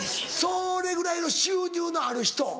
それぐらいの収入のある人？